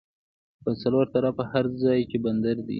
پر څلور طرفه هر ځای چې بندر دی